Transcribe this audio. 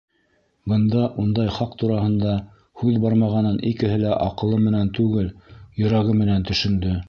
Бында ундай хаҡ тураһында һүҙ бармағанын икеһе лә аҡылы менән түгел, йөрәге менән төшөндө.